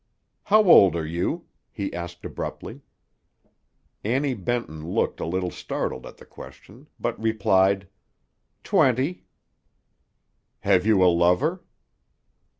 "How old are you?" he asked abruptly. Annie Benton looked a little startled at the question, but replied, "Twenty." "Have you a lover?"